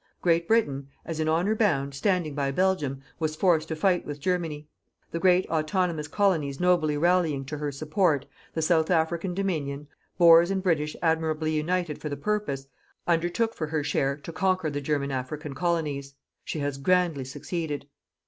Great Britain, as in honour bound, standing by Belgium, was forced to fight with Germany. The great autonomous Colonies nobly rallying to her support, the South African Dominion, Boers and British admirably united for the purpose, undertook for her share to conquer the German African Colonies. She has grandly succeeded.